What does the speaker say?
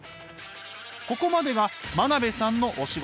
ここまでが真鍋さんのお仕事。